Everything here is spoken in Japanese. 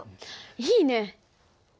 いいね！